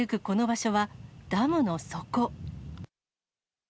この場所は、ダムの底。